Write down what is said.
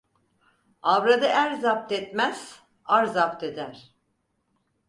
Avradı er zapt etmez, ar zapt eder.